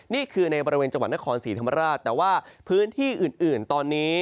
นี่คือในบริเวณจังหวัดนครศรีธรรมราชแต่ว่าพื้นที่อื่นตอนนี้